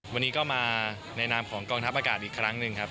วันนี้ก็มาในนามของกองทัพอากาศอีกครั้งหนึ่งครับ